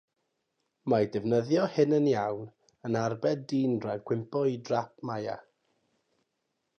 Mae defnyddio hyn yn iawn yn arbed dyn rhag cwympo i drap maia.